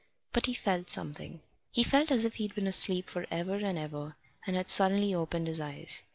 But he felt something. He felt as if he'd been asleep for ever and ever and had suddenly opened his eyes.